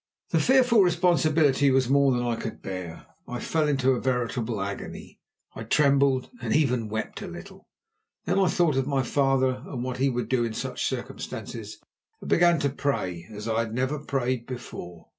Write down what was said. The fearful responsibility was more than I could bear. I fell into a veritable agony; I trembled and even wept a little. Then I thought of my father and what he would do in such circumstances, and began to pray as I had never prayed before.